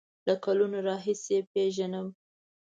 له کلونو راهیسې پیژنم.